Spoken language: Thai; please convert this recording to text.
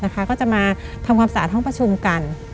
ก็จะมาทำความสะอาดห้องประชุมกัน